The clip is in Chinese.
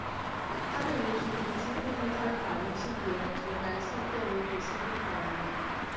她被允许重新定义她的法律性别从男性变为女性并改名。